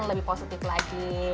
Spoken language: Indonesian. yang lebih positif lagi